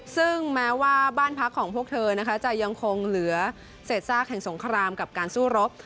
ซึ่งแม้ว่าบ้านพักของพวกเธอนะคะจะยังคงเหลือเศษซากแห่งสงครามกับการสู้รบ